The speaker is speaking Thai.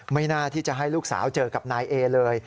ไม่น่าที่จะให้ลูกสาวเจอกับนายเอเลย